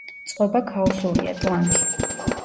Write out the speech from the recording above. წყობა ქაოსურია, ტლანქი.